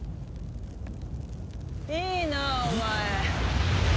いいなお前。